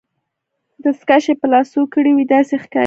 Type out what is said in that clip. دستکشې يې په لاسو کړي وې، داسې یې ښکاریده.